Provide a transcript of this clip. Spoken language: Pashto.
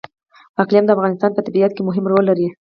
اقلیم د افغانستان په طبیعت کې مهم رول لري.